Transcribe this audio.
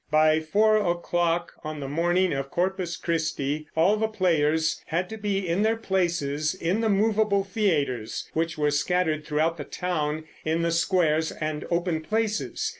By four o'clock on the morning of Corpus Christi all the players had to be in their places in the movable theaters, which were scattered throughout the town in the squares and open places.